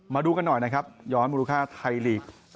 มาดูกันหน่อยนะครับย้อนมูลค่าไทยลีก